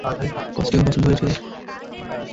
Costume পছন্দ হয়েছে?